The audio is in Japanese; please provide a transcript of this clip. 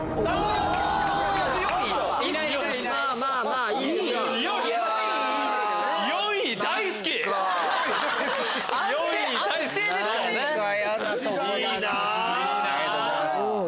ありがとうございます。